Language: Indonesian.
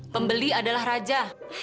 pembeli adalah raja